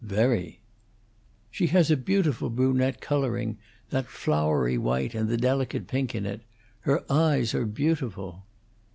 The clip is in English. "Very." "She has a beautiful brunette coloring: that floury white and the delicate pink in it. Her eyes are beautiful."